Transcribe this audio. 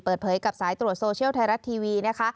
เปิดเผยกับสายตรวจโซเชียลไทยรัฐทีวีนะคะ